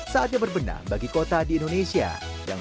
saatnya berbenah bagi kota di indonesia yang